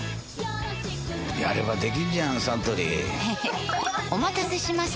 やればできんじゃんサントリーへへっお待たせしました！